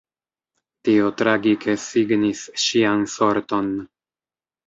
Tio tragike signis ŝian sorton.